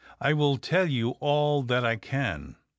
I will tell you all that I can."